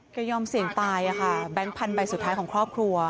ยอมเสี่ยงตายค่ะแบงค์พันธใบสุดท้ายของครอบครัว